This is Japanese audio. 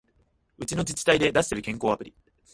うちの自治体で出してる健康アプリ